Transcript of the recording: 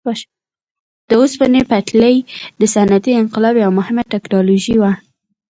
د اوسپنې پټلۍ د صنعتي انقلاب یوه مهمه ټکنالوژي وه.